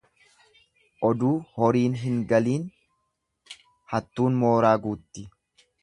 Oduu horiin hin galiin hattuun mooraa guutti.